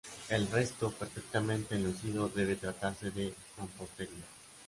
El resto, perfectamente enlucido, debe tratarse de mampostería.